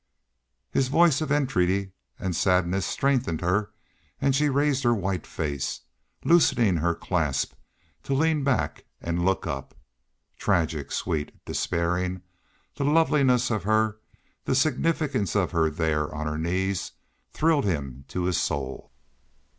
His voice of entreaty and sadness strengthened her and she raised her white face, loosening her clasp to lean back and look up. Tragic, sweet, despairing, the loveliness of her the significance of her there on her knees thrilled him to his soul.